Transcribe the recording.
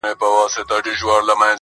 په دنیا کي « اول ځان پسې جهان دی »!!